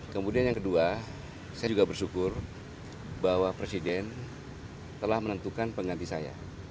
kemudian yang kedua saya juga bersyukur bahwa presiden telah menentukan pengganti saya